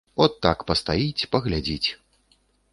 От так пастаіць, паглядзіць.